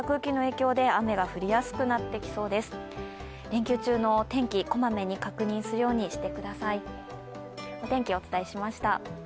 連休中の天気、こまめに確認するようにしてください。